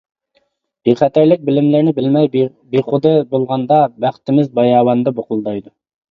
بىخەتەرلىك بىلىملىرىنى بىلمەي بىخۇد بولغاندا بەختىمىز باياۋاندا بۇقۇلدايدۇ.